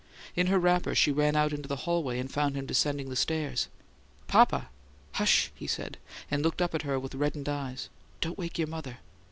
In her wrapper she ran out into the hallway and found him descending the stairs. "Papa!" "Hush," he said, and looked up at her with reddened eyes. "Don't wake your mother."